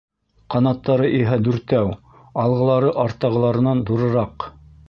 Ҡанаттары иһә дүртәү, алғылары арттағыларынан ҙурыраҡ.